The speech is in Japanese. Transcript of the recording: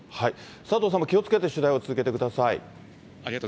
佐藤さんも気をつけて取材を続けてください。